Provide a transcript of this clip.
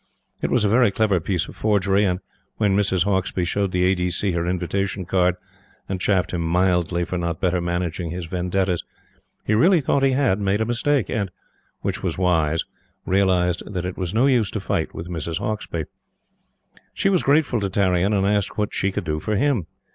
It was a very clever piece of forgery; and when Mrs. Hauksbee showed the A. D. C. her invitation card, and chaffed him mildly for not better managing his vendettas, he really thought he had made a mistake; and which was wise realized that it was no use to fight with Mrs. Hauksbee. She was grateful to Tarrion and asked what she could do for him.